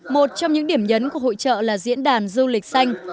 một trong những điểm nhấn của hội trợ là diễn đàn du lịch xanh